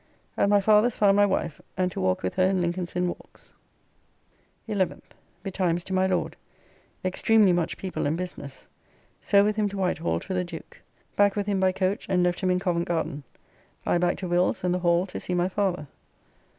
At my father's found my wife and to walk with her in Lincoln's Inn walks. 11th. Betimes to my Lord. Extremely much people and business. So with him to Whitehall to the Duke. Back with him by coach and left him in Covent Garden. I back to Will's and the Hall to see my father.